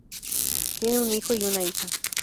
Tiene un hijo y una hija.